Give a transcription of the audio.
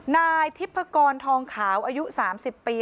นายทิพกรทองขาวอายุ๓๐ปี